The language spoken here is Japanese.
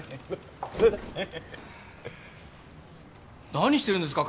何してるんですか？